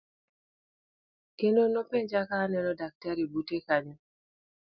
Kendo nopenja ka aneno daktari bute kanyo.